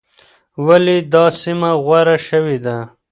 ولې دا سیمه غوره شوې ده؟